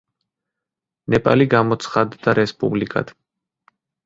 ნეპალი გამოცხადდა რესპუბლიკად.